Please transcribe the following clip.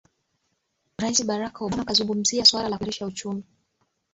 rais barak obama kuzungumzia swala la kuimarisha uchumi